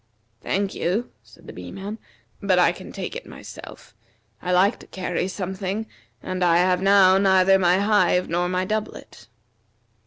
"Thank you," said the Bee man, "but I can take it myself. I like to carry something, and I have now neither my hive nor my doublet."